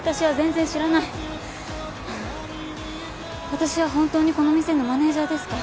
私は本当にこの店のマネージャーですか？